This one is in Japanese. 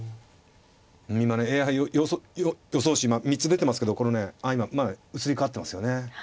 今ねＡＩ予想手３つ出てますけどこれねあ今移り変わってますよね。